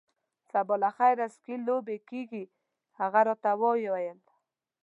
سبا له خیره سکی لوبې کیږي. هغه راته وویل.